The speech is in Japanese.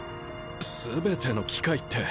全ての機械って。